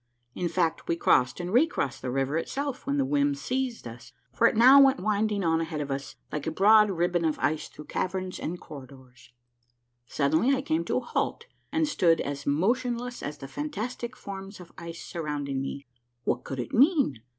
In fact, we crossed and recrossed the river itself when the whim seized us, for it now went winding on ahead of us, like a broad ribbon of ice through caverns and corridoi'S. Suddenly I came to a halt and stood as motionless as the fantastic forms of ice surrounding me. What could it mean